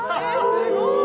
すごーい！